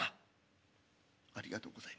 「ありがとうございます。